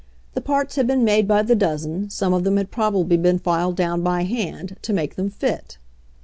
The parts had been made by the dozen, some of them had probably been filed down by hand, to make them fit.